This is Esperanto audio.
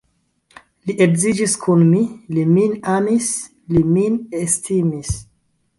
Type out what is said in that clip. Li edziĝis kun mi, li min amis, li min estimis.